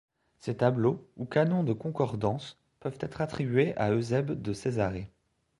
Ces tableaux, ou canons de concordances, peuvent être attribués à Eusèbe de Césarée.